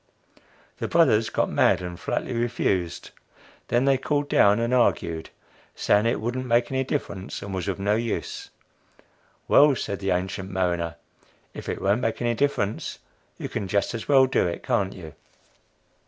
The "brothers" got mad and flatly refused. Then they cooled down and argued, saying it wouldn't make any difference, and was of no use. "Well," said the ancient mariner, "if it won't make any difference you can just as well do it, can't you?"